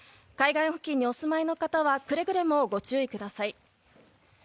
海岸付近のお住まいの方はくれぐれもご注意ください。